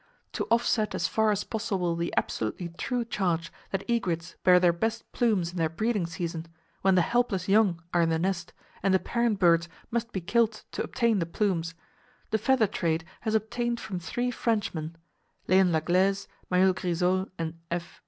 To offset as far as possible the absolutely true charge that egrets bear their best plumes in their breeding season, when the helpless young are in the nest and the parent birds must be killed to obtain the plumes, the feather trade has obtained from three Frenchmen—Leon Laglaize, Mayeul Grisol, and F.